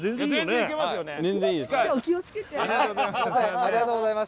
ありがとうございます。